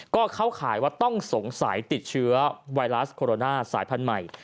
ก็เข้าข่ายว่าต้องสงสัยติดเชื้อไวรัสโคโรนาสายพันธุ์ใหม่